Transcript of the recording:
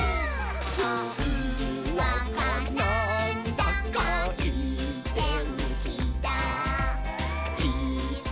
「ほんわかなんだかいいてんきだいいことありそうだ！」